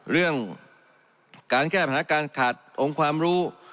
เรื่องการแก้ปัญหาการขาดองค์ความรู้